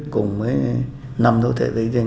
cùng với năm đô thị vệ tinh